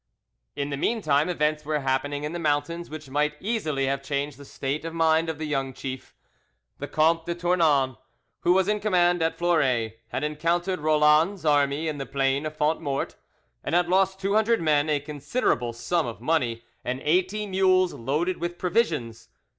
In the meantime events were happening in the mountains which might easily have changed the state of mind of the young chief. The Comte de Tournan, who was in command at Florae, had encountered Roland's army in the plain of Fondmortes, and had lost two hundred men, a considerable sum of money, and eighty mules loaded with provisions.